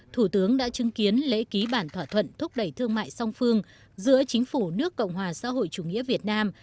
thủ tướng đã chứng kiến lễ ký bản thỏa thuận thúc đẩy thương mại song phương giữa chính phủ nước cộng hòa xã hội chủ nghĩa việt nam